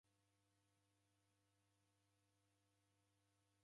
Wabonyere laghelaghe.